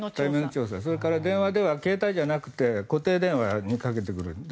それから電話では携帯じゃなくて固定電話にかけてくる。